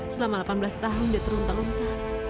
selama delapan belas tahun dia terlontar lontar